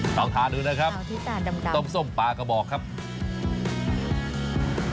ต้องทานดูนะครับต้มส้มปลากระบอกครับต้องทานดูนะครับต้มส้มปลากระบอก